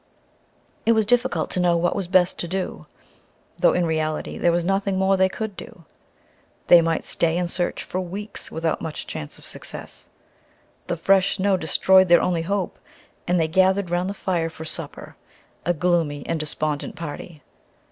It was difficult to know what was best to do, though in reality there was nothing more they could do. They might stay and search for weeks without much chance of success. The fresh snow destroyed their only hope, and they gathered round the fire for supper, a gloomy and despondent party.